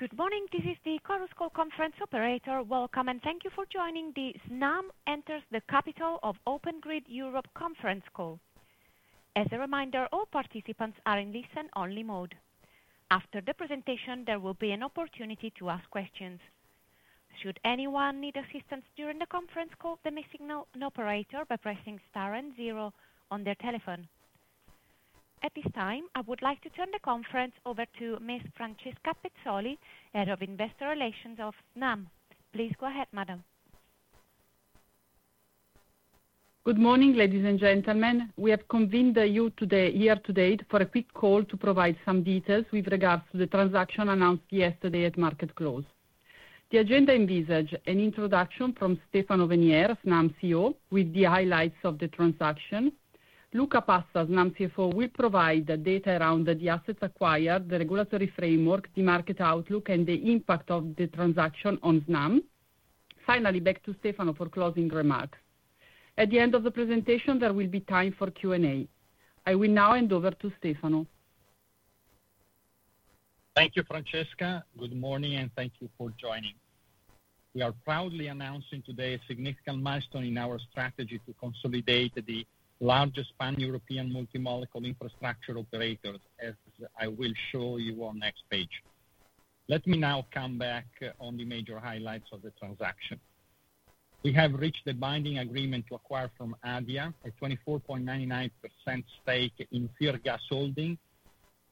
Good morning, this is the Chorus Call conference operator. Welcome, and thank you for joining the Snam Enters the capital of Open Grid Europe conference call. As a reminder, all participants are in listen-only mode. After the presentation, there will be an opportunity to ask questions. Should anyone need assistance during the conference call, they may signal an operator by pressing star and zero on their telephone. At this time, I would like to turn the conference over to Miss Francesca Pezzoli, Head of Investor Relations of Snam. Please go ahead, madam. Good morning, ladies and gentlemen. We have convened you here today for a quick call to provide some details with regards to the transaction announced yesterday at market close. The agenda envisages an introduction from Stefano Venier, Snam CEO, with the highlights of the transaction. Luca Passa, Snam CFO, will provide data around the assets acquired, the regulatory framework, the market outlook, and the impact of the transaction on Snam. Finally, back to Stefano for closing remarks. At the end of the presentation, there will be time for Q&A. I will now hand over to Stefano. Thank you, Francesca. Good morning, and thank you for joining. We are proudly announcing today a significant milestone in our strategy to consolidate the largest pan-European multi-molecule infrastructure operator, as I will show you on the next page. Let me now come back on the major highlights of the transaction. We have reached a binding agreement to acquire from ADIA a 24.99% stake in Viergas Holdings,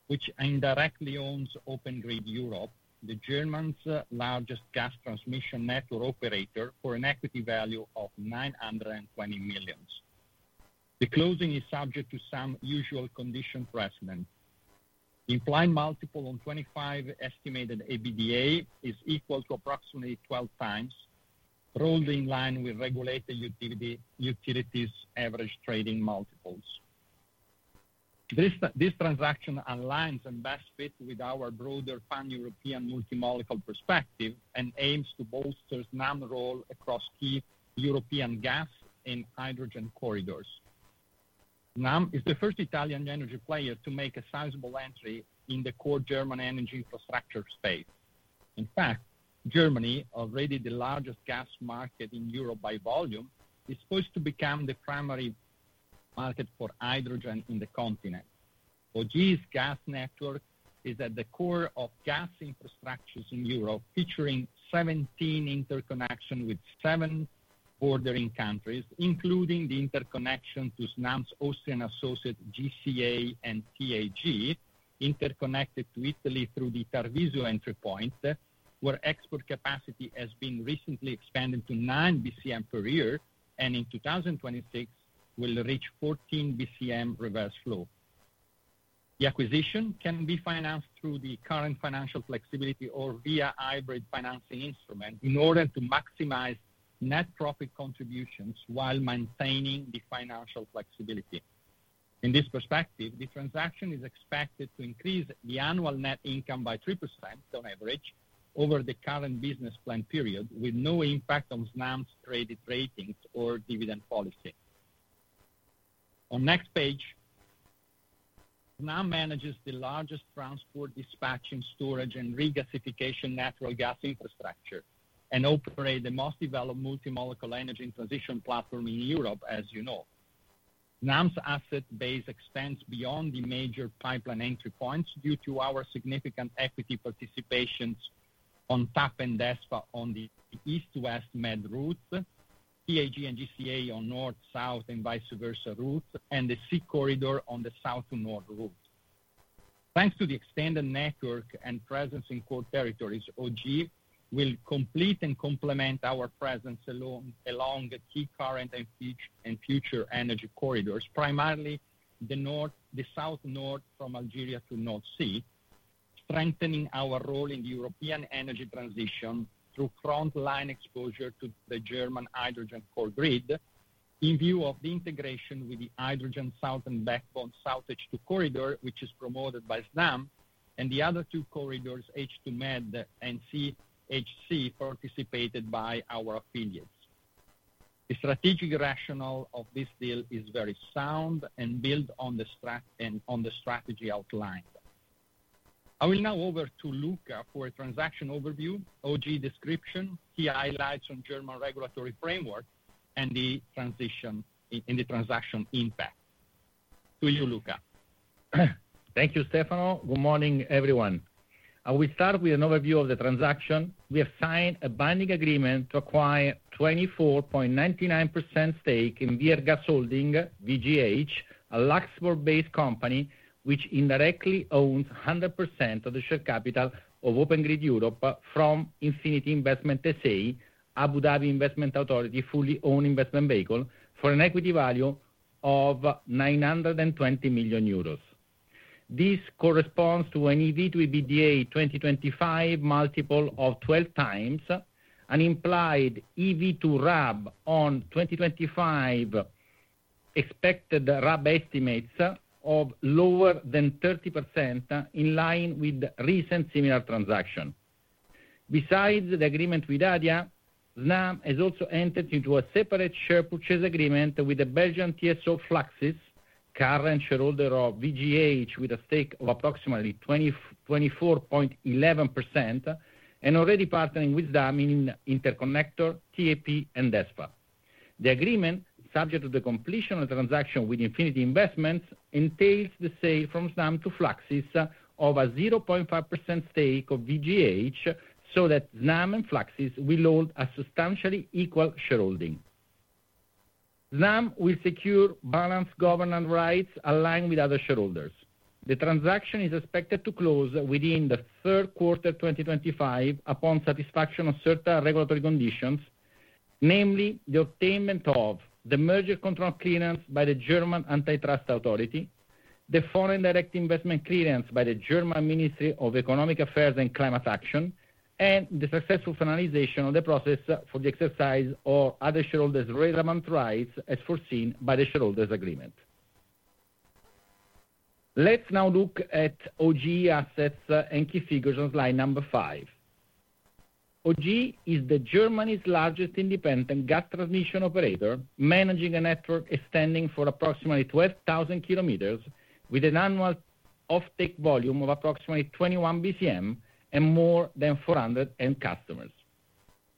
which indirectly owns Open Grid Europe, Germany's largest gas transmission network operator, for an equity value of 920 million. The closing is subject to some usual condition precedents. The implied multiple on 2025 estimated EBITDA is equal to approximately 12x, rolled in line with regulated utilities' average trading multiples. This transaction aligns and best fits with our broader pan-European multi-molecule perspective and aims to bolster Snam's role across key European gas and hydrogen corridors. Snam is the first Italian energy player to make a sizable entry in the core German energy infrastructure space. In fact, Germany, already the largest gas market in Europe by volume, is supposed to become the primary market for hydrogen on the continent. OGE's gas network is at the core of gas infrastructures in Europe, featuring 17 interconnections with seven bordering countries, including the interconnection to Snam's Austrian associates GCA and TAG, interconnected to Italy through the Tarvisio entry point, where export capacity has been recently expanded to 9 BCM per year, and in 2026 will reach 14 BCM reverse flow. The acquisition can be financed through the current financial flexibility or via hybrid financing instruments in order to maximize net profit contributions while maintaining the financial flexibility. In this perspective, the transaction is expected to increase the annual net income by 3% on average over the current business plan period, with no impact on Snam's traded ratings or dividend policy. On the next page, Snam manages the largest transport, dispatching, storage, and regasification natural gas infrastructure and operates the most developed multi-molecule energy transition platform in Europe, as you know. Snam's asset base extends beyond the major pipeline entry points due to our significant equity participations on TAP and DESFA on the east-west MED route, TAG and GCA on north-south and vice versa route, and the SeaCorridor on the south-to-north route. Thanks to the extended network and presence in core territories, OGE will complete and complement our presence along key current and future energy corridors, primarily the south-north from Algeria to North Sea, strengthening our role in the European energy transition through frontline exposure to the German hydrogen core grid in view of the integration with the hydrogen south and backbone south H2 corridor, which is promoted by Snam, and the other two corridors, H2 MED and CHC, participated by our affiliates. The strategic rationale of this deal is very sound and built on the strategy outlined. I will now hand over to Luca for a transaction overview, OGE description, key highlights on German regulatory framework, and the transition in the transaction impact. To you, Luca. Thank you, Stefano. Good morning, everyone. I will start with an overview of the transaction. We have signed a binding agreement to acquire a 24.99% stake in Viergas Holdings, VGH, a Luxembourg-based company which indirectly owns 100% of the share capital of Open Grid Europe from Infinity Investment SA, Abu Dhabi Investment Authority fully-owned investment vehicle, for an equity value of 920 million euros. This corresponds to an EV/EBITDA 2025 multiple of 12x, an implied EV to RAB on 2025 expected RAB estimates of lower than 30% in line with recent similar transactions. Besides the agreement with ADIA, Snam has also entered into a separate share purchase agreement with the Belgian TSO Fluxys, current shareholder of VGH with a stake of approximately 24.11%, and already partnering with Snam in interconnector, TAP, and DESFA. The agreement, subject to the completion of the transaction with Infinity Investments, entails the sale from Snam to Fluxys of a 0.5% stake of VGH so that Snam and Fluxys will hold a substantially equal shareholding. Snam will secure balanced governance rights aligned with other shareholders. The transaction is expected to close within the third quarter of 2025 upon satisfaction of certain regulatory conditions, namely the obtainment of the merger control clearance by the German Antitrust Authority, the foreign direct investment clearance by the German Ministry of Economic Affairs and Climate Action, and the successful finalization of the process for the exercise of other shareholders' relevant rights as foreseen by the shareholders' agreement. Let's now look at OGE assets and key figures on slide number five. OGE is Germany's largest independent gas transmission operator, managing a network extending for approximately 12,000 km with an annual offtake volume of approximately 21 BCM and more than 400 end customers.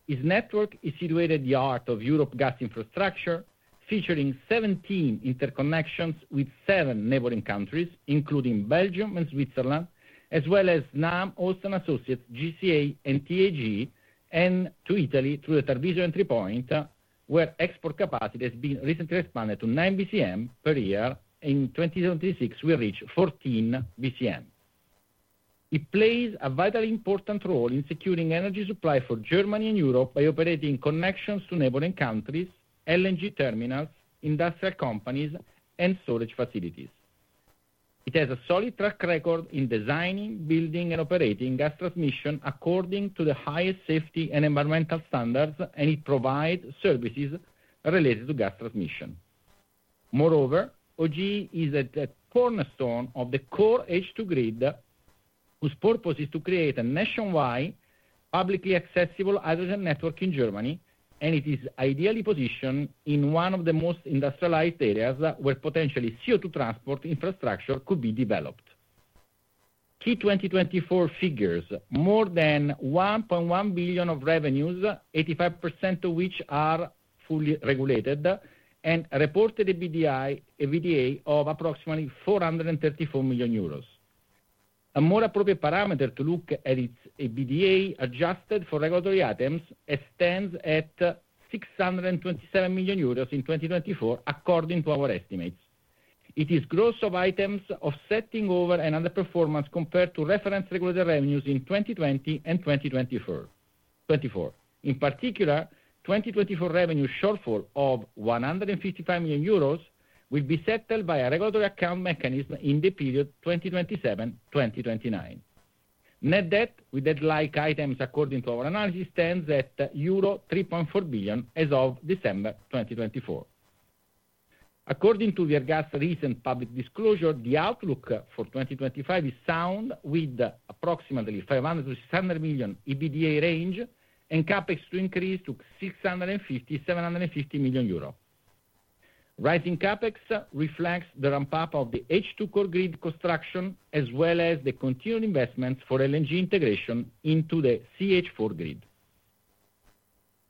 Its network is situated in the heart of Europe's gas infrastructure, featuring 17 interconnections with seven neighboring countries, including Belgium and Switzerland, as well as Snam, Austrian associates GCA and TAG, and to Italy through the Tarvisio entry point, where export capacity has been recently expanded to 9 BCM per year. In 2026, we reach 14 BCM. It plays a vitally important role in securing energy supply for Germany and Europe by operating connections to neighboring countries, LNG terminals, industrial companies, and storage facilities. It has a solid track record in designing, building, and operating gas transmission according to the highest safety and environmental standards, and it provides services related to gas transmission. Moreover, OGE is a cornerstone of the core H2 grid, whose purpose is to create a nationwide publicly accessible hydrogen network in Germany, and it is ideally positioned in one of the most industrialized areas where potentially CO2 transport infrastructure could be developed. Key 2024 figures: more than 1.1 billion of revenues, 85% of which are fully regulated, and reported EBITDA of approximately 434 million euros. A more appropriate parameter to look at is EBITDA adjusted for regulatory items, which stands at 627 million euros in 2024, according to our estimates. It is gross of items offsetting over and underperformance compared to reference regulatory revenues in 2020 and 2024. In particular, 2024 revenue shortfall of 155 million euros will be settled by a regulatory account mechanism in the period 2027-2029. Net debt with debt-like items, according to our analysis, stands at euro 3.4 billion as of December 2024. According to Viergas' recent public disclosure, the outlook for 2025 is sound, with approximately 500 million-600 million EBITDA range and CapEx to increase to 650 million-750 million euros. Rising CapEx reflects the ramp-up of the H2 core grid construction, as well as the continued investments for LNG integration into the CH4 grid.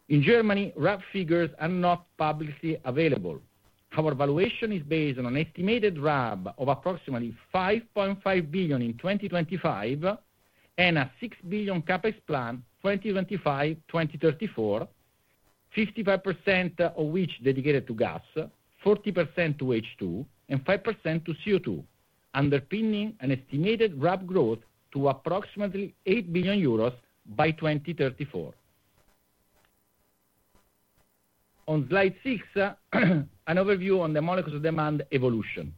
In Germany, RAB figures are not publicly available. Our valuation is based on an estimated RAB of approximately 5.5 billion in 2025 and a 6 billion CapEx plan for 2025-2034, 55% of which is dedicated to gas, 40% to H2, and 5% to CO2, underpinning an estimated RAB growth to approximately 8 billion euros by 2034. On slide six, an overview on the molecular demand evolution.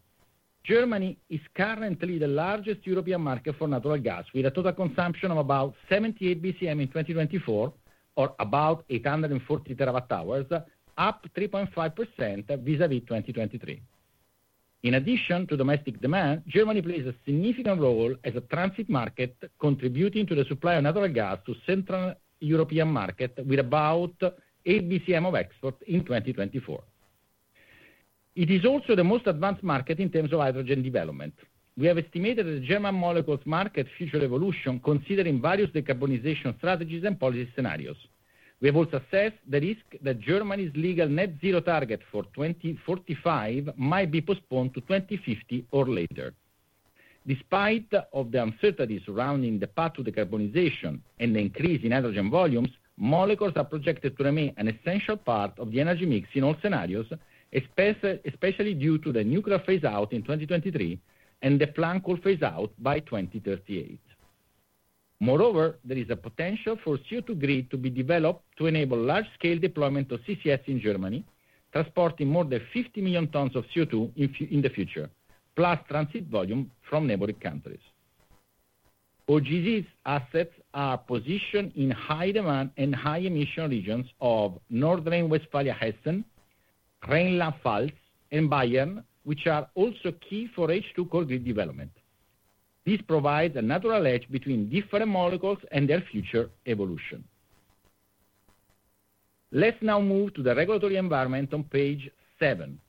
Germany is currently the largest European market for natural gas, with a total consumption of about 78 BCM in 2024, or about 840 TWh, up 3.5% vis-à-vis 2023. In addition to domestic demand, Germany plays a significant role as a transit market, contributing to the supply of natural gas to the Central European market with about 8 BCM of export in 2024. It is also the most advanced market in terms of hydrogen development. We have estimated the German molecules market future evolution, considering various decarbonization strategies and policy scenarios. We have also assessed the risk that Germany's legal net zero target for 2045 might be postponed to 2050 or later. Despite the uncertainties surrounding the path to decarbonization and the increase in hydrogen volumes, molecules are projected to remain an essential part of the energy mix in all scenarios, especially due to the nuclear phase-out in 2023 and the planned coal phase-out by 2038. Moreover, there is a potential for CO2 grid to be developed to enable large-scale deployment of CCS in Germany, transporting more than 50 million tons of CO2 in the future, plus transit volume from neighboring countries. OGV's assets are positioned in high-demand and high-emission regions of North Rhine-Westphalia, Hessen, Rhineland-Pfalz, and Bayern, which are also key for H2 core grid development. This provides a natural edge between different molecules and their future evolution. Let's now move to the regulatory environment on page seven.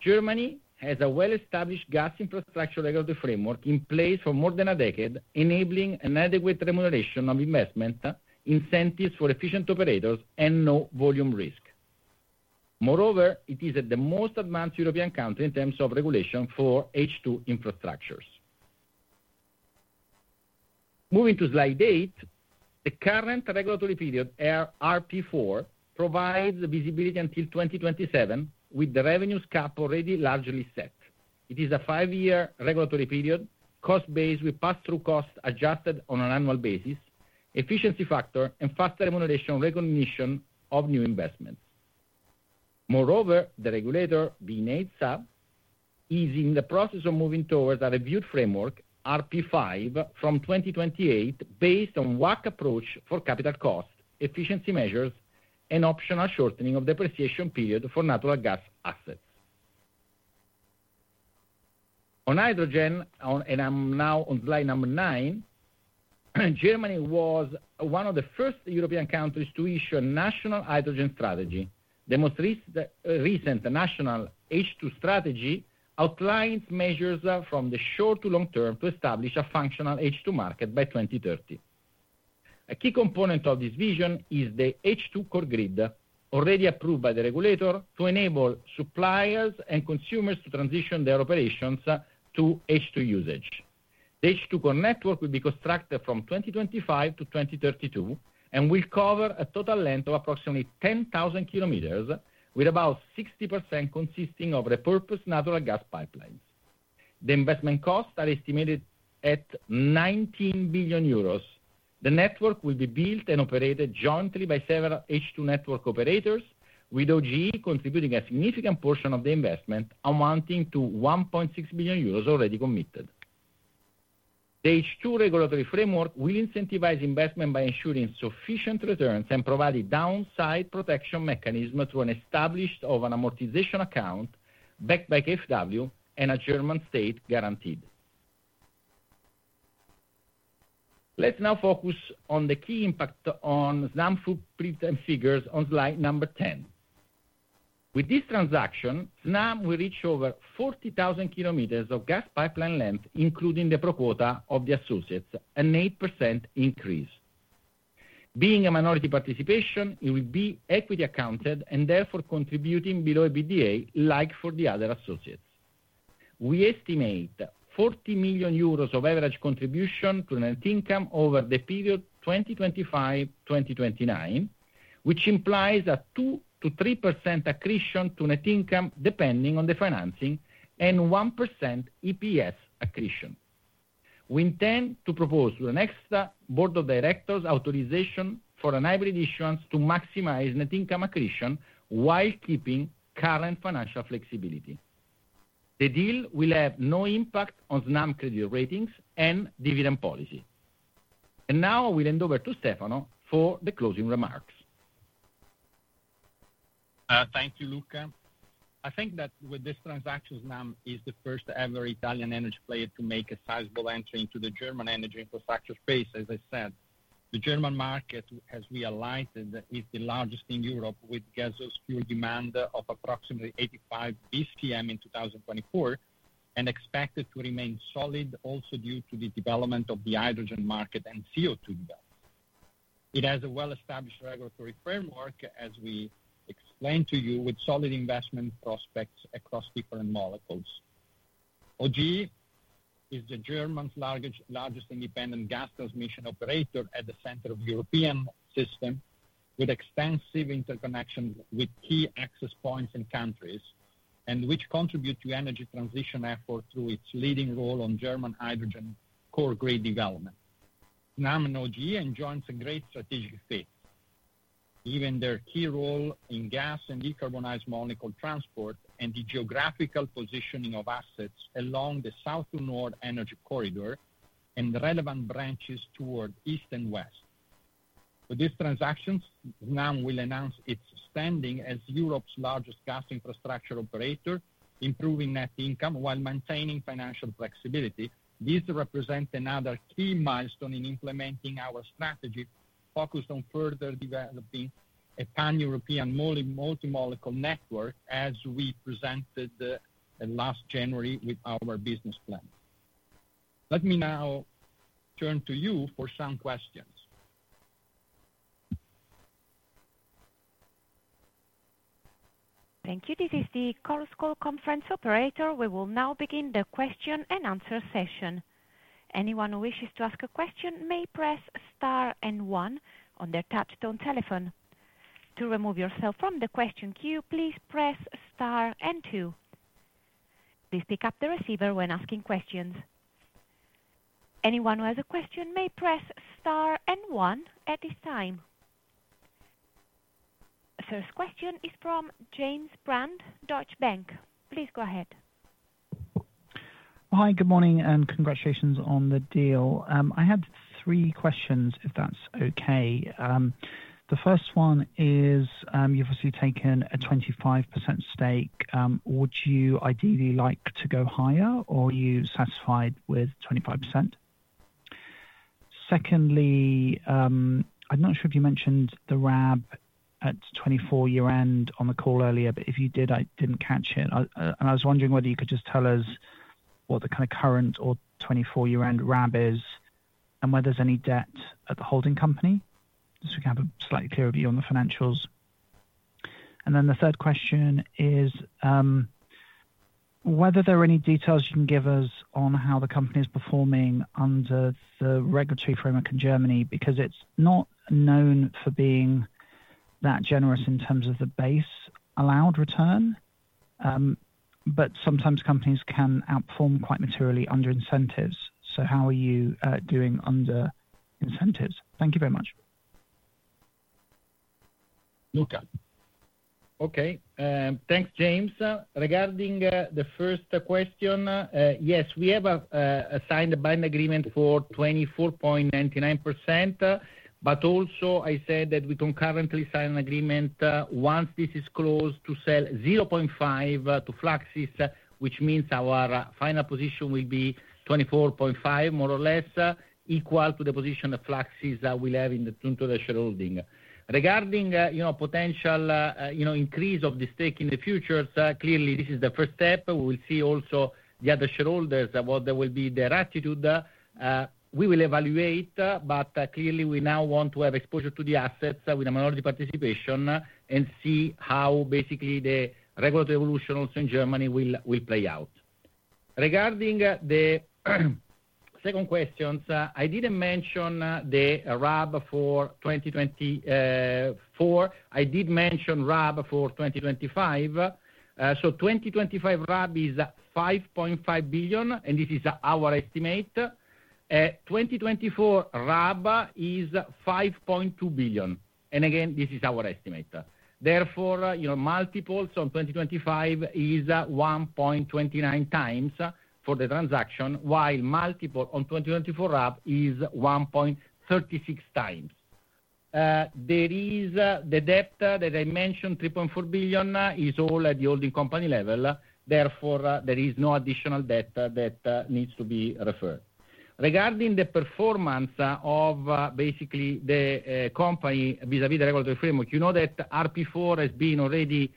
Germany has a well-established gas infrastructure regulatory framework in place for more than a decade, enabling an adequate remuneration of investment, incentives for efficient operators, and no volume risk. Moreover, it is the most advanced European country in terms of regulation for H2 infrastructures. Moving to slide eight, the current regulatory period, RP4, provides visibility until 2027, with the revenue cap already largely set. It is a five-year regulatory period, cost-based with pass-through costs adjusted on an annual basis, efficiency factor, and faster remuneration recognition of new investments. Moreover, the regulator, BNetzA, is in the process of moving towards a reviewed framework, RP5, from 2028, based on a WACC approach for capital cost, efficiency measures, and optional shortening of depreciation period for natural gas assets. On hydrogen, and I'm now on slide number nine, Germany was one of the first European countries to issue a national hydrogen strategy. The most recent national H2 strategy outlines measures from the short to long-term to establish a functional H2 market by 2030. A key component of this vision is the H2 Core Grid, already approved by the regulator to enable suppliers and consumers to transition their operations to H2 usage. The H2 core network will be constructed from 2025 to 2032 and will cover a total length of approximately 10,000 km, with about 60% consisting of repurposed natural gas pipelines. The investment costs are estimated at 19 billion euros. The network will be built and operated jointly by several H2 network operators, with Open Grid Europe contributing a significant portion of the investment, amounting to 1.6 billion euros already committed. The H2 regulatory framework will incentivize investment by ensuring sufficient returns and providing downside protection mechanisms through an established amortization account backed by KfW and a German state guarantee. Let's now focus on the key impact on Snam's figures on slide number 10. With this transaction, Snam will reach over 40,000 km of gas pipeline length, including the pro quota of the associates, an 8% increase. Being a minority participation, it will be equity accounted and therefore contributing below EBITDA, like for the other associates. We estimate 40 million euros of average contribution to net income over the period 2025-2029, which implies a 2%-3% accretion to net income depending on the financing and 1% EPS accretion. We intend to propose to the next board of directors authorization for a hybrid issuance to maximize net income accretion while keeping current financial flexibility. The deal will have no impact on Snam credit ratings and dividend policy. I will now hand over to Stefano for the closing remarks. Thank you, Luca. I think that with this transaction, Snam is the first-ever Italian energy player to make a sizable entry into the German energy infrastructure space as I said. The German market, as we highlighted, is the largest in Europe, with gas fuel demand of approximately 85 BCM in 2024 and expected to remain solid also due to the development of the hydrogen market and CO2 development. It has a well-established regulatory framework, as we explained to you, with solid investment prospects across different molecules. OGE is Germany's largest independent gas transmission operator at the center of the European system, with extensive interconnections with key access points and countries, and which contribute to energy transition efforts through its leading role on German hydrogen core grid development. Snam and OGE enjoy a great strategic fit, given their key role in gas and decarbonized molecule transport and the geographical positioning of assets along the south to north energy corridor and relevant branches toward east and west. With these transactions, Snam will announce its standing as Europe's largest gas infrastructure operator, improving net income while maintaining financial flexibility. This represents another key milestone in implementing our strategy focused on further developing a pan-European multi-molecule network, as we presented last January with our business plan. Let me now turn to you for some questions. Thank you. This is the Chorus Call Conference Operator. We will now begin the question-and-answer session. Anyone who wishes to ask a question may press star and one on their touchstone telephone. To remove yourself from the question queue, please press star and two. Please pick up the receiver when asking questions. Anyone who has a question may press star and one at this time. The first question is from James Brand, Deutsche Bank. Please go ahead. Hi, good morning and congratulations on the deal. I had three questions, if that's okay. The first one is, you've obviously taken a 25% stake. Would you ideally like to go higher, or are you satisfied with 25%? Secondly, I'm not sure if you mentioned the RAB at 2024 year end on the call earlier, but if you did, I didn't catch it. I was wondering whether you could just tell us what the kind of current or 2024 year end RAB is and whether there's any debt at the holding company so we can have a slightly clearer view on the financials. The third question is whether there are any details you can give us on how the company is performing under the regulatory framework in Germany, because it is not known for being that generous in terms of the base allowed return, but sometimes companies can outperform quite materially under incentives. How are you doing under incentives? Thank you very much. Okay, thanks, James. Regarding the first question, yes, we have signed a buying agreement for 24.99%, but also I said that we can currently sign an agreement once this is closed to sell 0.5% to Fluxys, which means our final position will be 24.5%, more or less equal to the position of Fluxys that we have in the two international holdings. Regarding potential increase of the stake in the future, clearly this is the first step. We will see also the other shareholders what will be their attitude. We will evaluate, but clearly we now want to have exposure to the assets with a minority participation and see how basically the regulatory evolution also in Germany will play out. Regarding the second question, I did not mention the RAB for 2024. I did mention RAB for 2025. So 2025 RAB is 5.5 billion, and this is our estimate. 2024 RAB is 5.2 billion. Again, this is our estimate. Therefore, multiples on 2025 is 1.29x for the transaction, while multiple on 2024 RAB is 1.36x. The debt that I mentioned, 3.4 billion, is all at the holding company level. Therefore, there is no additional debt that needs to be referred. Regarding the performance of basically the company vis-à-vis the regulatory framework, you know that RP4 has been already,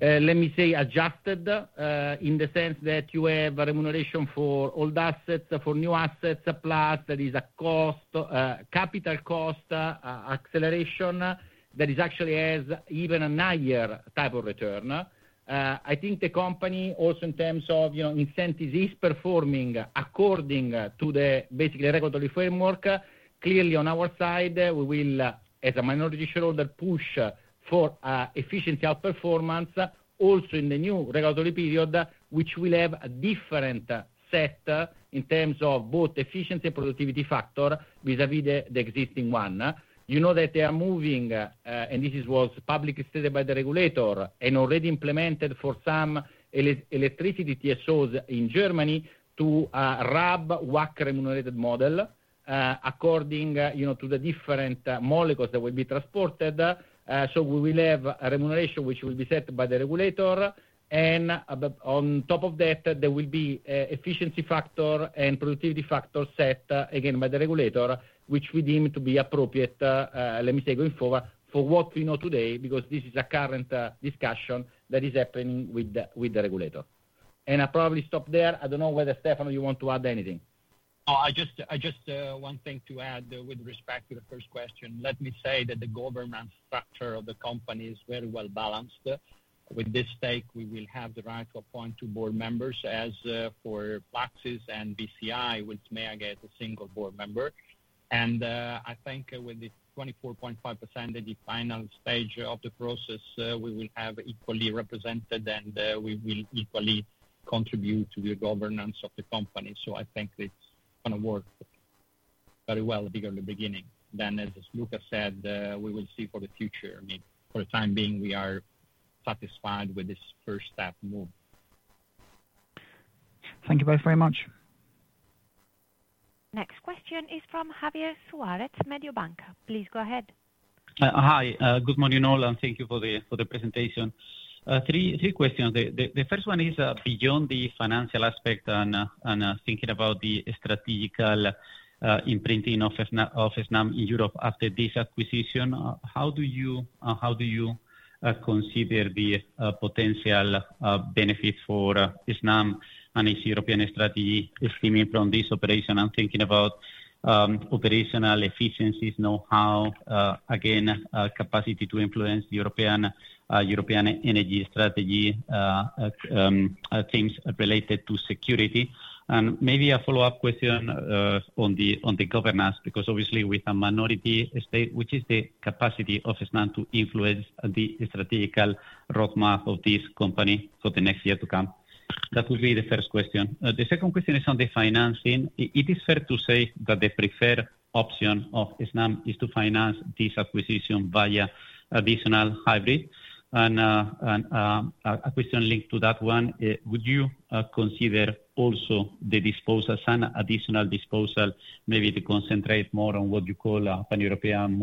let me say, adjusted in the sense that you have remuneration for old assets, for new assets, plus there is a capital cost acceleration that actually has even a higher type of return. I think the company also in terms of incentives is performing according to the basically regulatory framework. Clearly, on our side, we will, as a minority shareholder, push for efficiency outperformance also in the new regulatory period, which will have a different set in terms of both efficiency and productivity factor vis-à-vis the existing one. You know that they are moving, and this was publicly stated by the regulator and already implemented for some electricity TSOs in Germany to a RAB WACC remunerated model according to the different molecules that will be transported. We will have a remuneration which will be set by the regulator. On top of that, there will be efficiency factor and productivity factor set again by the regulator, which we deem to be appropriate, let me say, going forward for what we know today, because this is a current discussion that is happening with the regulator. I will probably stop there. I do not know whether, Stefano, you want to add anything. Oh, just one thing to add with respect to the first question. Let me say that the governance structure of the company is very well balanced. With this stake, we will have the right to appoint two board members, as for Fluxys and BCI, which may get a single board member. I think with the 24.5% at the final stage of the process, we will be equally represented and we will equally contribute to the governance of the company. I think it is going to work very well. Bigger in the beginning. As Luca said, we will see for the future. For the time being, we are satisfied with this first step move. Thank you both very much. Next question is from Javier Suárez, Mediobanca. Please go ahead. Hi, good morning all, and thank you for the presentation. Three questions. The first one is beyond the financial aspect and thinking about the strategical imprinting of Snam in Europe after this acquisition. How do you consider the potential benefits for Snam and its European strategy streaming from this operation? I'm thinking about operational efficiencies, know-how, again, capacity to influence the European energy strategy, things related to security. Maybe a follow-up question on the governance, because obviously with a minority state, which is the capacity of Snam to influence the strategical roadmap of this company for the next year to come. That would be the first question. The second question is on the financing. It is fair to say that the preferred option of Snam is to finance this acquisition via additional hybrid. A question linked to that one, would you consider also the disposal and additional disposal, maybe to concentrate more on what you call a pan-European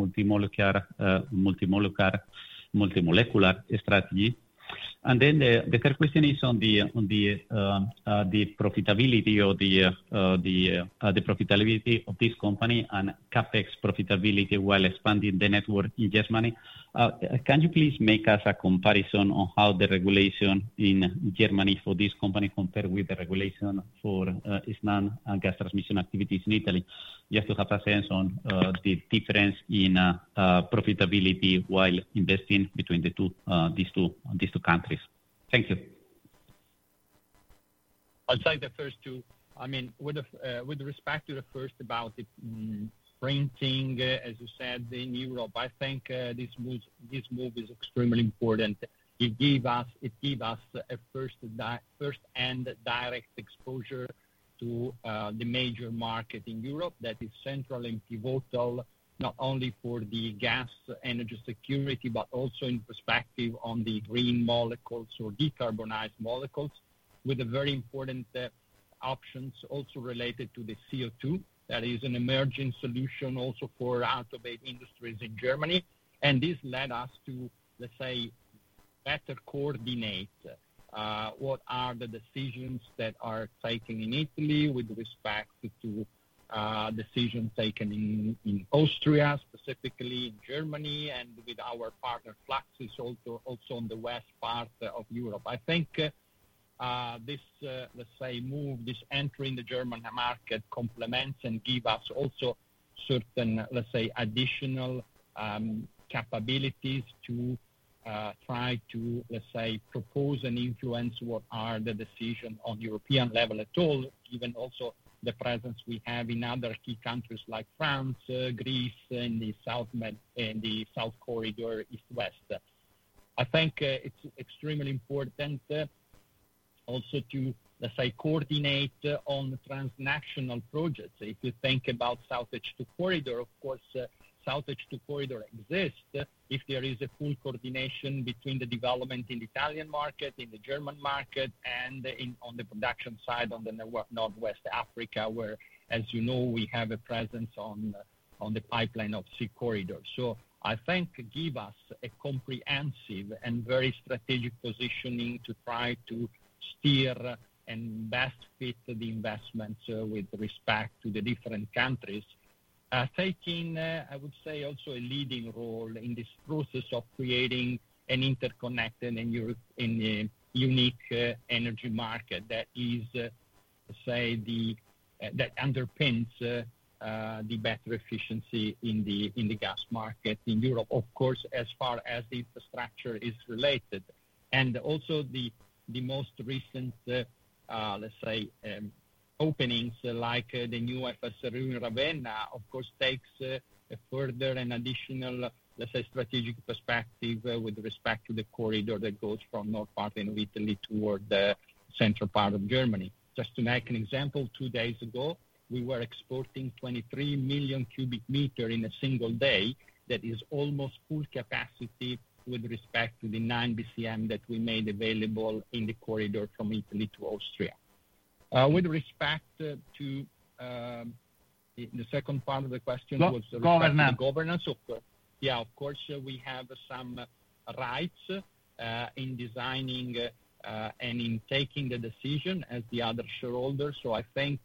multi-molecular strategy? The third question is on the profitability of the profitability of this company and CapEx profitability while expanding the network in Germany. Can you please make us a comparison on how the regulation in Germany for this company compared with the regulation for Snam gas transmission activities in Italy? Just to have a sense on the difference in profitability while investing between these two countries. Thank you. I'll take the first two. I mean, with respect to the first about printing, as you said, in Europe, I think this move is extremely important. It gave us a first and direct exposure to the major market in Europe that is central and pivotal not only for the gas energy security, but also in perspective on the green molecules or decarbonized molecules with very important options also related to the CO2. That is an emerging solution also for automated industries in Germany. This led us to, let's say, better coordinate what are the decisions that are taken in Italy with respect to decisions taken in Austria, specifically in Germany, and with our partner Fluxys also on the west part of Europe. I think this, let's say, move, this entry in the German market complements and gives us also certain, let's say, additional capabilities to try to, let's say, propose and influence what are the decisions on European level at all, given also the presence we have in other key countries like France, Greece, and the south corridor east-west. I think it's extremely important also to, let's say, coordinate on transnational projects. If you think about South Edge to Corridor, of course, South Edge to Corridor exists if there is a full coordination between the development in the Italian market, in the German market, and on the production side on the northwest Africa, where, as you know, we have a presence on the pipeline of sea corridor. I think it gives us a comprehensive and very strategic positioning to try to steer and best fit the investments with respect to the different countries, taking, I would say, also a leading role in this process of creating an interconnected and unique energy market that is, let's say, that underpins the better efficiency in the gas market in Europe, of course, as far as the infrastructure is related. Also the most recent, let's say, openings like the new FSRU in Ravenna, of course, takes a further and additional, let's say, strategic perspective with respect to the corridor that goes from north part of Italy toward the central part of Germany. Just to make an example, two days ago, we were exporting 23 million cubic meters in a single day. That is almost full capacity with respect to the 9 BCM that we made available in the corridor from Italy to Austria. With respect to the second part of the question was the governance. Yeah, of course, we have some rights in designing and in taking the decision as the other shareholders. I think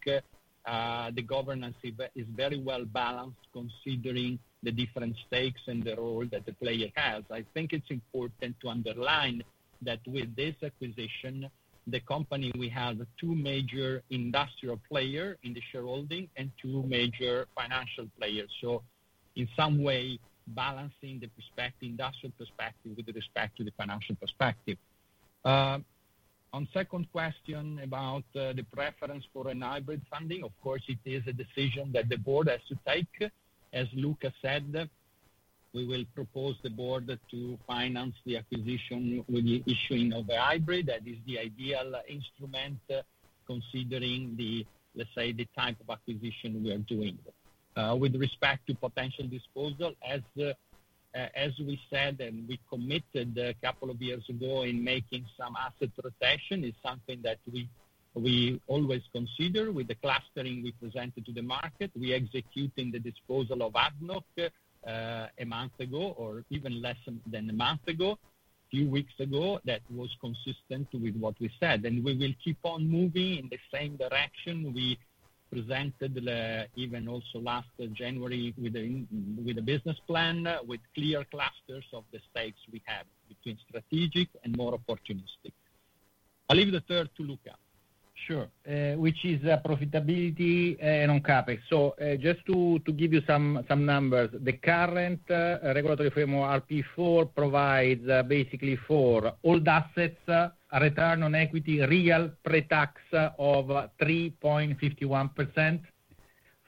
the governance is very well balanced considering the different stakes and the role that the player has. I think it's important to underline that with this acquisition, the company we have two major industrial players in the shareholding and two major financial players. In some way, balancing the industrial perspective with respect to the financial perspective. On the second question about the preference for hybrid funding, of course, it is a decision that the board has to take. As Luca said, we will propose the board to finance the acquisition with the issuing of the hybrid. That is the ideal instrument considering the, let's say, the type of acquisition we are doing. With respect to potential disposal, as we said, and we committed a couple of years ago in making some asset protection, it's something that we always consider with the clustering we presented to the market. We executed the disposal of ADNOC a month ago or even less than a month ago, a few weeks ago, that was consistent with what we said. We will keep on moving in the same direction. We presented even also last January with a business plan with clear clusters of the stakes we have between strategic and more opportunistic. I'll leave the third to Luca. Sure, which is profitability and on CapEx. Just to give you some numbers, the current regulatory framework, RP4, provides basically for old assets, a return on equity real pre-tax of 3.51%.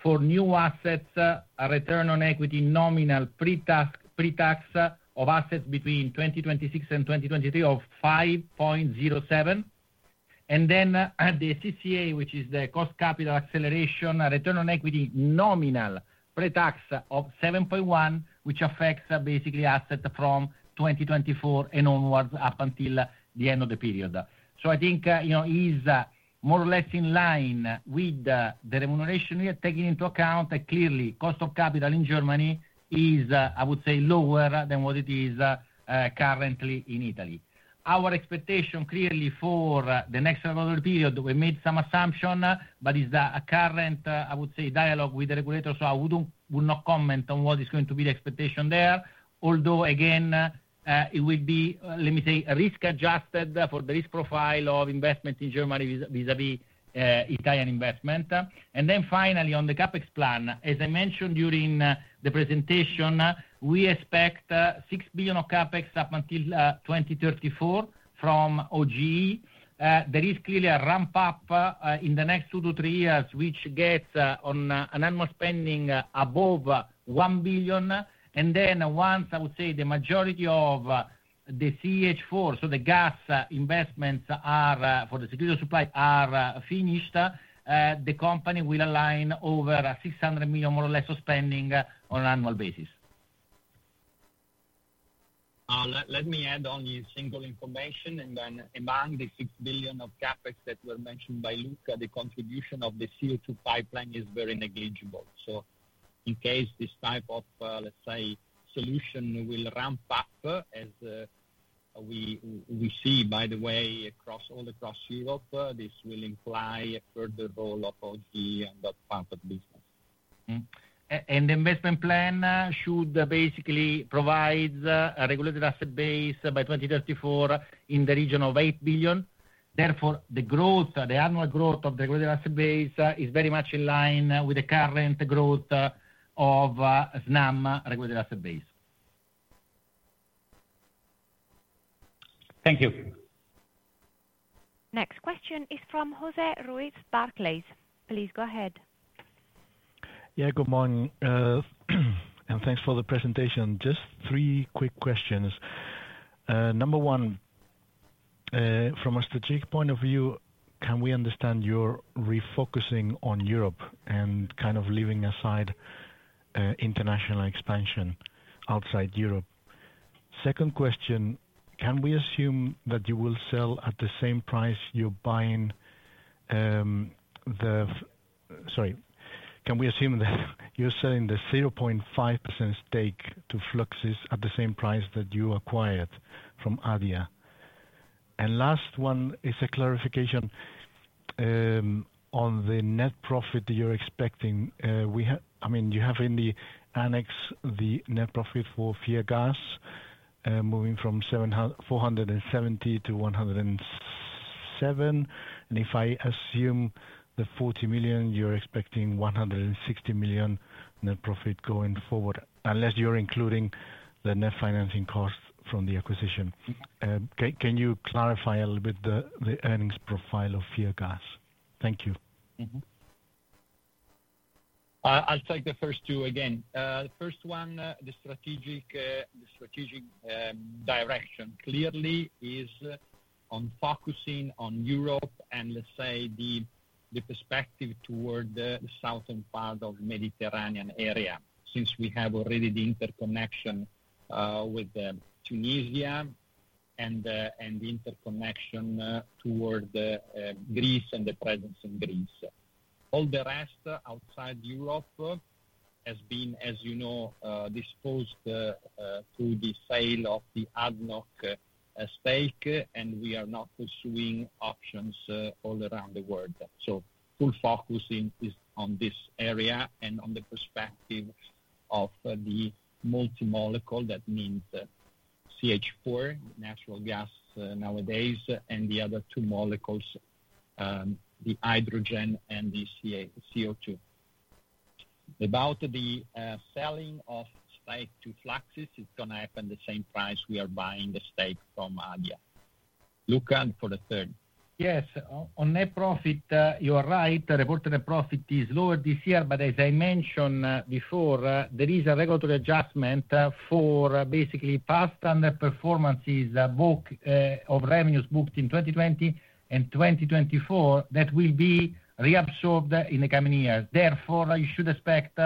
For new assets, a return on equity nominal pre-tax of assets between 2026 and 2023 of 5.07%. The CCA, which is the cost capital acceleration, a return on equity nominal pre-tax of 7.1%, which affects basically assets from 2024 and onwards up until the end of the period. I think it is more or less in line with the remuneration we are taking into account that clearly cost of capital in Germany is, I would say, lower than what it is currently in Italy. Our expectation clearly for the next regulatory period, we made some assumption, but it is a current, I would say, dialogue with the regulator. I will not comment on what is going to be the expectation there, although again, it will be, let me say, risk-adjusted for the risk profile of investment in Germany vis-à-vis Italian investment. Finally, on the CapEx plan, as I mentioned during the presentation, we expect 6 billion of CapEx up until 2034 from OGE. There is clearly a ramp-up in the next two to three years, which gets on an annual spending above 1 billion. Once, I would say, the majority of the CH4, so the gas investments for the security supply, are finished, the company will align over 600 million, more or less, of spending on an annual basis. Let me add only a single information. Among the 6 billion of CapEx that were mentioned by Luca, the contribution of the CO2 pipeline is very negligible. In case this type of, let's say, solution will ramp up, as we see, by the way, all across Europe, this will imply a further role of OGE on that part of business. The investment plan should basically provide a regulated asset base by 2034 in the region of 8 billion. Therefore, the annual growth of the regulated asset base is very much in line with the current growth of Snam regulated asset base. Thank you. Next question is from José Ruiz Barclays. Please go ahead. Yeah, good morning. Thanks for the presentation. Just three quick questions. Number one, from a strategic point of view, can we understand you're refocusing on Europe and kind of leaving aside international expansion outside Europe? Second question, can we assume that you're selling the 0.5% stake to Fluxys at the same price that you acquired from Adia? Last one is a clarification on the net profit that you're expecting. I mean, you have in the annex the net profit for FEA gas moving from 470 to 107. If I assume the 40 million, you're expecting 160 million net profit going forward, unless you're including the net financing cost from the acquisition. Can you clarify a little bit the earnings profile of FEA gas? Thank you. I'll take the first two again. The first one, the strategic direction clearly is on focusing on Europe and, let's say, the perspective toward the southern part of the Mediterranean area since we have already the interconnection with Tunisia and the interconnection toward Greece and the presence in Greece. All the rest outside Europe has been, as you know, disposed through the sale of the ADNOC stake, and we are not pursuing options all around the world. Full focus is on this area and on the perspective of the multi-molecule, that means CH4, natural gas nowadays, and the other two molecules, the hydrogen and the CO2. About the selling of stake to Fluxys, it's going to happen at the same price we are buying the stake from ADIA. Luca for the third. Yes, on net profit, you are right. Reported net profit is lower this year, but as I mentioned before, there is a regulatory adjustment for basically past and performances of revenues booked in 2020 and 2024 that will be reabsorbed in the coming years. Therefore, you should expect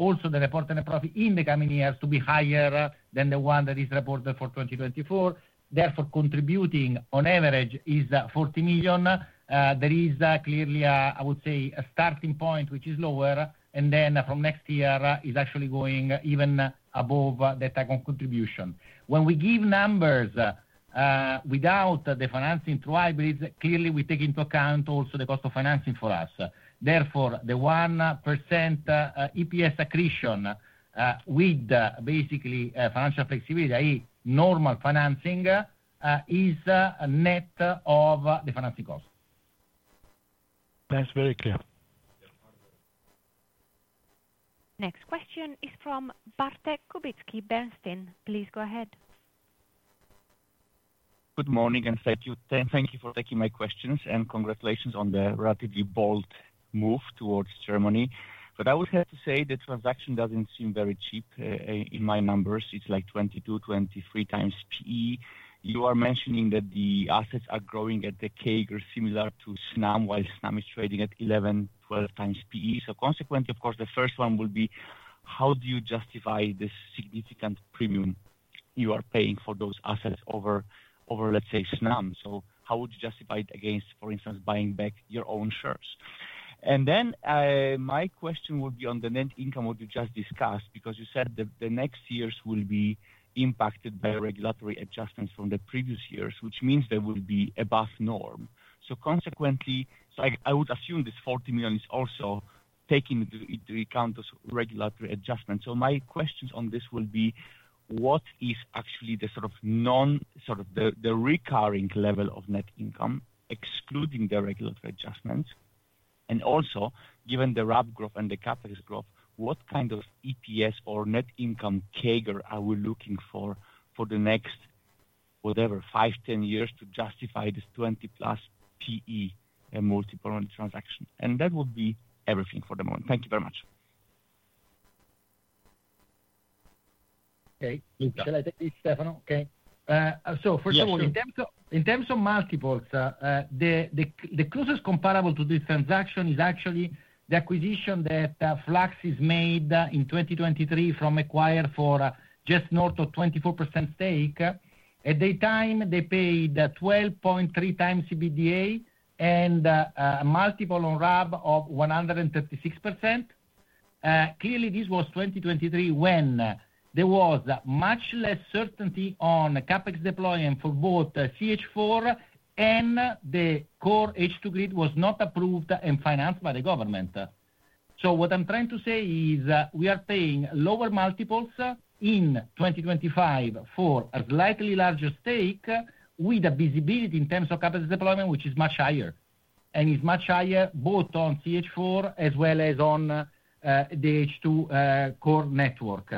also the reported net profit in the coming years to be higher than the one that is reported for 2024. Therefore, contributing on average is 40 million. There is clearly, I would say, a starting point which is lower, and then from next year is actually going even above that type of contribution. When we give numbers without the financing through hybrids, clearly we take into account also the cost of financing for us. Therefore, the 1% EPS accretion with basically financial flexibility, i.e., normal financing, is net of the financing cost. That's very clear. Next question is from [Bartek Kubicki], Bernstein. Please go ahead. Good morning and thank you for taking my questions and congratulations on the relatively bold move towards Germany. I would have to say the transaction does not seem very cheap in my numbers. It is like 22x, 3x PE. You are mentioning that the assets are growing at the Kager, similar to Snam, while Snam is trading at 11x, 12x PE. Consequently, of course, the first one will be, how do you justify the significant premium you are paying for those assets over, let's say, Snam? How would you justify it against, for instance, buying back your own shares? My question will be on the net income what you just discussed because you said that the next years will be impacted by regulatory adjustments from the previous years, which means there will be above norm. Consequently, I would assume this 40 million is also taking into account those regulatory adjustments. My questions on this will be, what is actually the sort of the recurring level of net income, excluding the regulatory adjustments? Also, given the RAB growth and the CapEx growth, what kind of EPS or net income CAGR are we looking for for the next, whatever, 5, 10 years to justify this 20+ PE multiple on the transaction? That will be everything for the moment. Thank you very much. Stefano, okay. First of all, in terms of multiples, the closest comparable to this transaction is actually the acquisition that Fluxys made in 2023 from Macquarie for just north of 24% stake. At the time, they paid 12.3x EBITDA and a multiple on RAB of 136%. Clearly, this was 2023 when there was much less certainty on CapEx deployment for both CH4 and the core H2 grid was not approved and financed by the government. What I'm trying to say is we are paying lower multiples in 2025 for a slightly larger stake with a visibility in terms of CapEx deployment, which is much higher. It is much higher both on CH4 as well as on the H2 core network.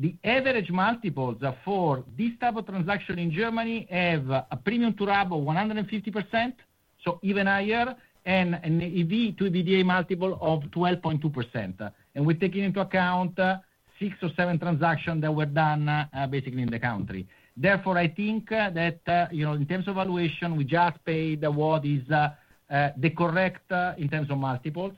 The average multiples for this type of transaction in Germany have a premium to RAB of 150%, so even higher, and an EV to EBITDA multiple of 12.2%. We are taking into account six or seven transactions that were done basically in the country. Therefore, I think that in terms of valuation, we just paid what is correct in terms of multiples.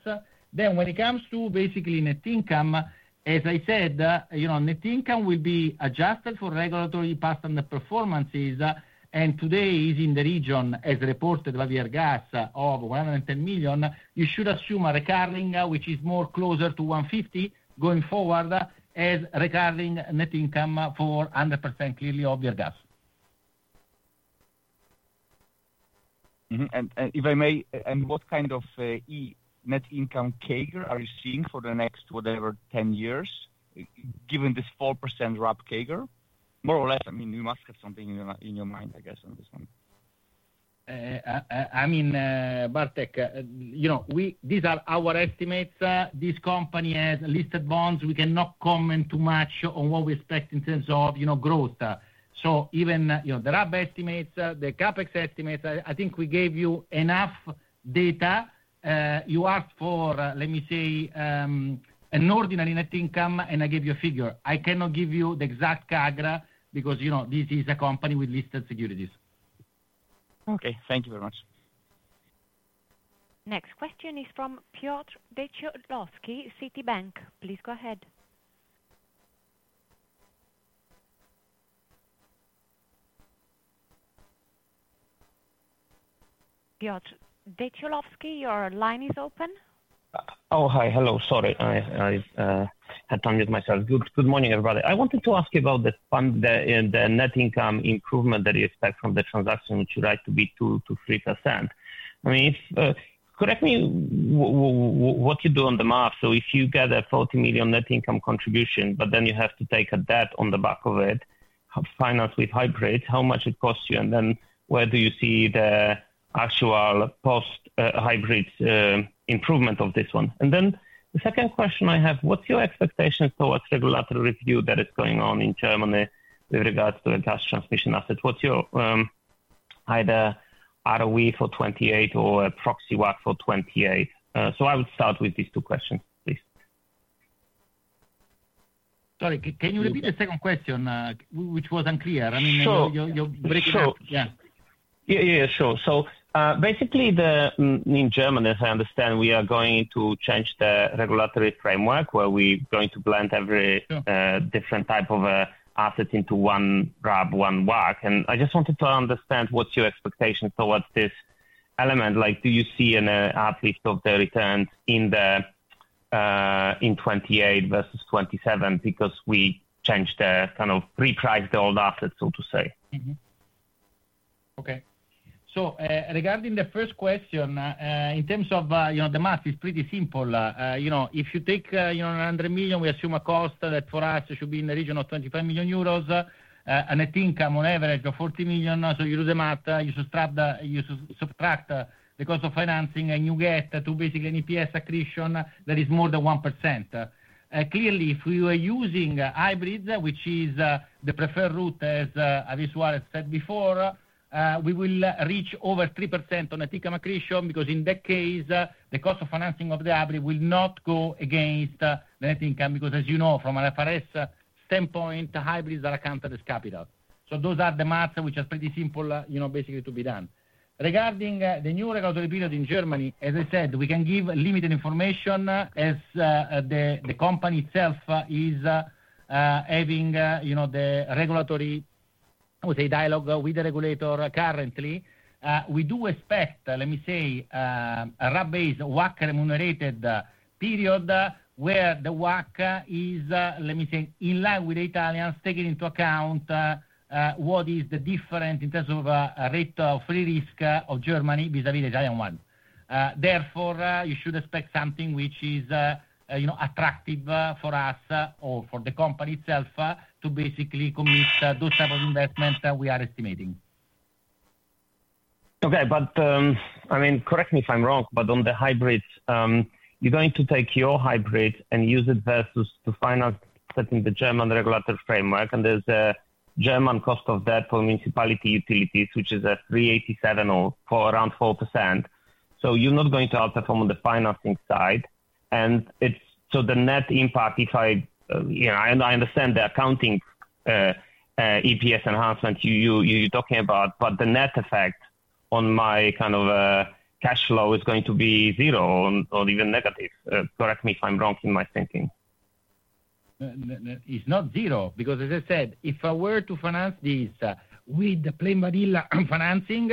When it comes to basically net income, as I said, net income will be adjusted for regulatory past and the performances. Today it is in the region, as reported by Viergas, of 110 million. You should assume a recurring, which is more closer to 150 million going forward, as recurring net income for 100% clearly of Viergas. If I may, what kind of net income CAGR are you seeing for the next, whatever, 10 years given this 4% RAB CAGR? More or less, I mean, you must have something in your mind, I guess, on this one. I mean, Bartek, these are our estimates. This company has listed bonds. We cannot comment too much on what we expect in terms of growth. Even the RAB estimates, the CapEx estimates, I think we gave you enough data. You asked for, let me say, an ordinary net income, and I gave you a figure. I cannot give you the exact CAGR because this is a company with listed securities. Okay. Thank you very much. Next question is from Piotr Dzieciolowski, Citi. Please go ahead. Piotr Dzieciolowski, your line is open. Oh, hi. Hello. Sorry, I had to unmute myself. Good morning, everybody. I wanted to ask you about the net income improvement that you expect from the transaction, which you write to be 2%-3%. I mean, correct me what you do on the math. If you get a 40 million net income contribution, but then you have to take a debt on the back of it, finance with hybrids, how much it costs you, and then where do you see the actual post-hybrid improvement of this one? The second question I have, what's your expectation towards regulatory review that is going on in Germany with regards to the gas transmission asset? What's your either ROE for 2028 or a proxy WACC for 2028? I would start with these two questions, please. Sorry, can you repeat the second question, which was unclear? I mean, you're breaking up. Sure. Yeah, sure. Basically, in Germany, as I understand, we are going to change the regulatory framework where we're going to blend every different type of asset into one RAB, one WACC. I just wanted to understand what's your expectation towards this element. Do you see an uplift of the returns in 2028 versus 2027 because we changed the kind of repriced the old assets, so to say? Okay. Regarding the first question, in terms of the math, it's pretty simple. If you take 100 million, we assume a cost that for us should be in the region of 25 million euros, a net income on average of 40 million. You do the math, you subtract the cost of financing, and you get to basically an EPS accretion that is more than 1%. Clearly, if we were using hybrids, which is the preferred route, as Alessandra said before, we will reach over 3% on net income accretion because in that case, the cost of financing of the hybrid will not go against the net income because, as you know, from an IFRS standpoint, hybrids are accounted as capital. Those are the maths which are pretty simple, basically, to be done. Regarding the new regulatory period in Germany, as I said, we can give limited information as the company itself is having the regulatory, I would say, dialogue with the regulator currently. We do expect, let me say, a RAB-based WACC remunerated period where the WACC is, let me say, in line with the Italians, taking into account what is the difference in terms of a rate of free risk of Germany vis-à-vis the Italian one. Therefore, you should expect something which is attractive for us or for the company itself to basically commit those types of investments that we are estimating. Okay. I mean, correct me if I'm wrong, but on the hybrids, you're going to take your hybrid and use it versus to finance setting the German regulatory framework, and there's a German cost of debt for municipality utilities, which is at 3.87% or around 4%. You're not going to outperform on the financing side. The net impact, if I understand the accounting EPS enhancement you're talking about, but the net effect on my kind of cash flow is going to be zero or even negative. Correct me if I'm wrong in my thinking. It's not zero because, as I said, if I were to finance this with the plain vanilla financing,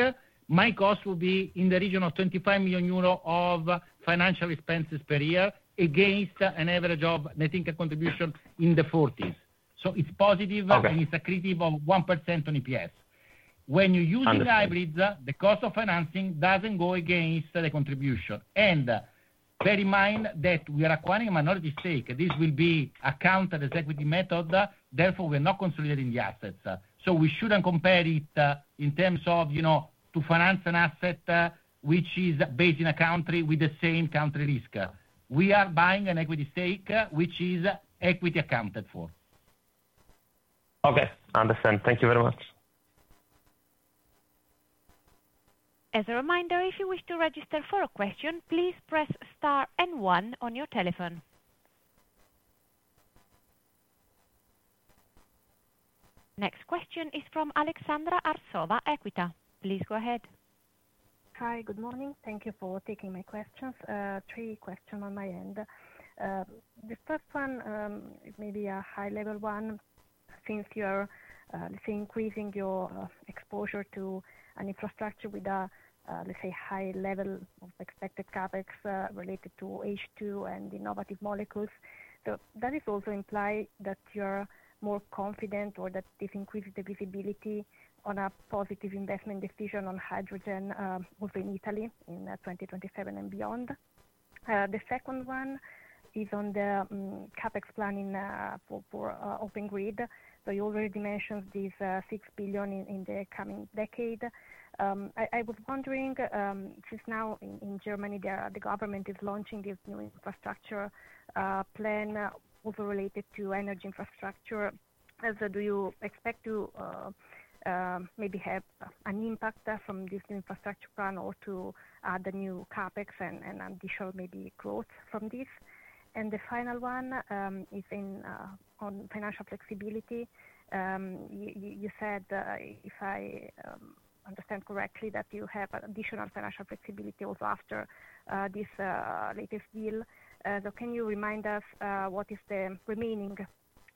my cost would be in the region of 25 million euro of financial expenses per year against an average of net income contribution in the EUR 40s million. So it's positive, and it's accretive of 1% on EPS. When you're using hybrids, the cost of financing doesn't go against the contribution. Bear in mind that we are acquiring a minority stake. This will be accounted as equity method. Therefore, we are not consolidating the assets. We shouldn't compare it in terms of to finance an asset which is based in a country with the same country risk. We are buying an equity stake, which is equity accounted for. Okay. Understand. Thank you very much. As a reminder, if you wish to register for a question, please press star and one on your telephone. Next question is from Aleksandra Arsova, Equita. Please go ahead. Hi, good morning. Thank you for taking my questions. Three questions on my end. The first one, maybe a high-level one, since you are increasing your exposure to an infrastructure with a, let's say, high level of expected CapEx related to H2 and innovative molecules. So that is also implied that you're more confident or that this increases the visibility on a positive investment decision on hydrogen over in Italy in 2027 and beyond. The second one is on the CapEx planning for Open Grid Europe. You already mentioned these 6 billion in the coming decade. I was wondering, since now in Germany, the government is launching this new infrastructure plan also related to energy infrastructure. Do you expect to maybe have an impact from this new infrastructure plan or to add the new CapEx and additional maybe growth from this? The final one is on financial flexibility. You said, if I understand correctly, that you have additional financial flexibility also after this latest deal. Can you remind us what is the remaining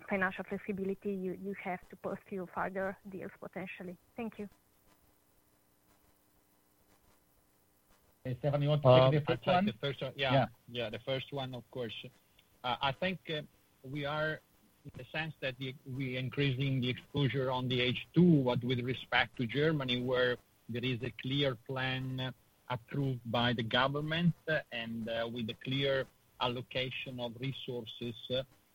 financial flexibility you have to pursue further deals potentially? Thank you. Stefano, you want to take the first one? Yeah, the first one, of course. I think we are, in the sense that we are increasing the exposure on the H2, but with respect to Germany, where there is a clear plan approved by the government and with a clear allocation of resources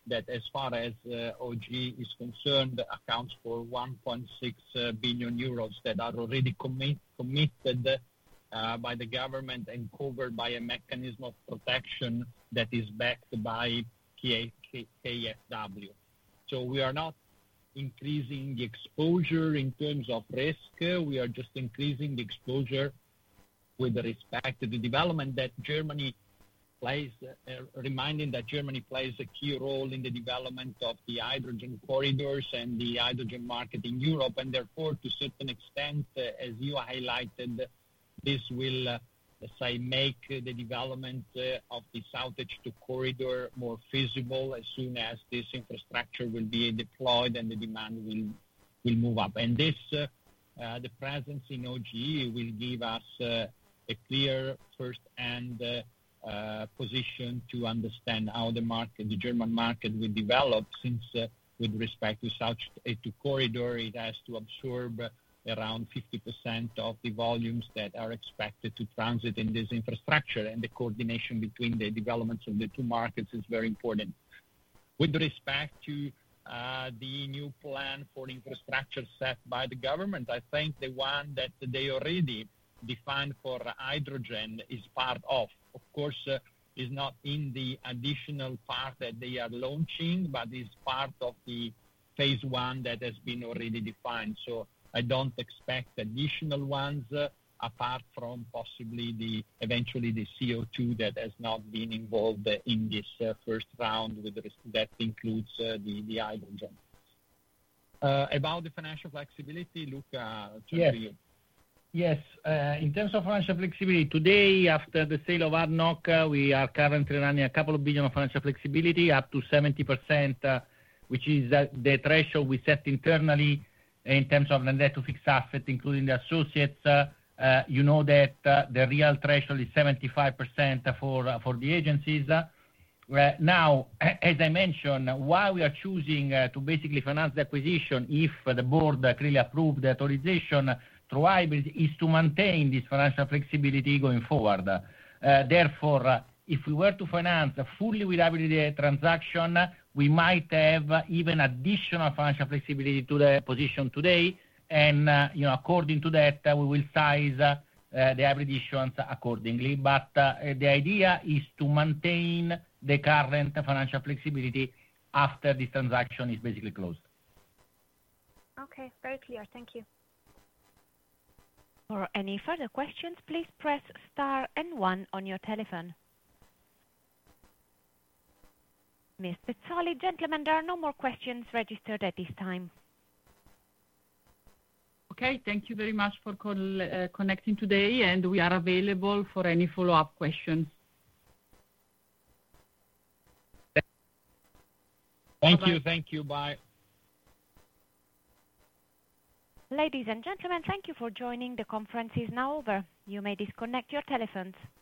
that, as far as OGE is concerned, accounts for 1.6 billion euros that are already committed by the government and covered by a mechanism of protection that is backed by KfW. We are not increasing the exposure in terms of risk. We are just increasing the exposure with respect to the development that Germany plays, reminding that Germany plays a key role in the development of the hydrogen corridors and the hydrogen market in Europe. Therefore, to a certain extent, as you highlighted, this will, let's say, make the development of this outage to corridor more feasible as soon as this infrastructure will be deployed and the demand will move up. The presence in OG will give us a clear firsthand position to understand how the German market will develop since with respect to corridor, it has to absorb around 50% of the volumes that are expected to transit in this infrastructure. The coordination between the developments of the two markets is very important. With respect to the new plan for infrastructure set by the government, I think the one that they already defined for hydrogen is part of. Of course, it's not in the additional part that they are launching, but it's part of the phase one that has been already defined. I do not expect additional ones apart from possibly eventually the CO2 that has not been involved in this first round that includes the hydrogen. About the financial flexibility, Luca, turn to you. Yes. In terms of financial flexibility, today, after the sale of ADNOC, we are currently running a couple of billion of financial flexibility, up to 70%, which is the threshold we set internally in terms of net fixed assets, including the associates. You know that the real threshold is 75% for the agencies. Now, as I mentioned, why we are choosing to basically finance the acquisition, if the board clearly approved the authorization through hybrids, is to maintain this financial flexibility going forward. Therefore, if we were to finance a fully reliability transaction, we might have even additional financial flexibility to the position today. According to that, we will size the hybrid issuance accordingly. The idea is to maintain the current financial flexibility after this transaction is basically closed. Okay. Very clear. Thank you. For any further questions, please press star and one on your telephone. Ms. Pezzoli, gentlemen, there are no more questions registered at this time. Okay. Thank you very much for connecting today, and we are available for any follow-up questions. Thank you. Thank you. Bye. Ladies and gentlemen, thank you for joining. The conference is now over. You may disconnect your telephones.